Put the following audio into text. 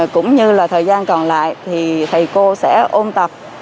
cũng như là thời gian còn lại thì thầy cô sẽ ôn tập